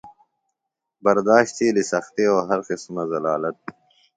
برداشت تھیلیۡ سختیۡ او ہر قسمہ ذلالت۔